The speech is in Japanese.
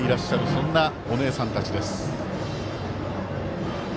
そんな、お姉さんたちです。